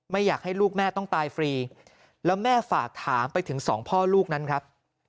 อยากให้ลูกแม่ต้องตายฟรีแล้วแม่ฝากถามไปถึงสองพ่อลูกนั้นครับ